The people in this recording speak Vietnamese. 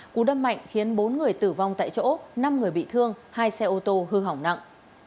cú đâm mạnh khiến bốn người tử vong tại chỗ năm người bị thương hai xe ô tô hư hỏng nặng